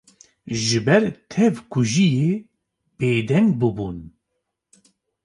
ji ber tevkujiyê bêdeng bûbûn